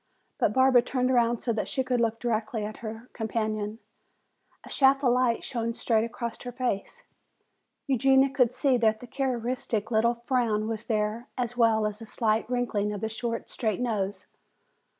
But Barbara turned around so that she could look directly at her companion. A shaft of light shone straight across her face. Eugenia could see that the characteristic little frown was there as well as the slight wrinkling of the short, straight nose.